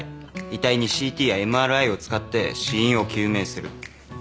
遺体にＣＴやＭＲＩを使って死因を究明する。